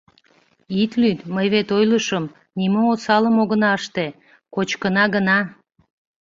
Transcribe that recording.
— Ит лӱд, мый вет ойлышым, нимо осалым огына ыште, кочкына гына!